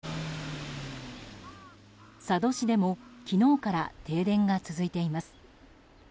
佐渡市でも昨日から停電が続いています。